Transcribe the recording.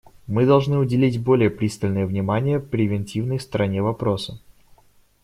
Мы должны уделить более пристальное внимание превентивной стороне вопроса.